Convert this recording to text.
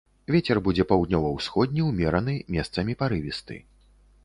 Вецер будзе паўднёва-ўсходні ўмераны, месцамі парывісты.